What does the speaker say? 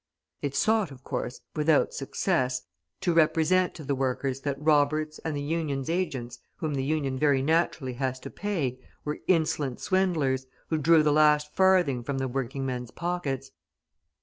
It sought, of course, without success, to represent to the workers that Roberts and the Union's agents whom the Union very naturally had to pay, were insolent swindlers, who drew the last farthing from the working men's pockets.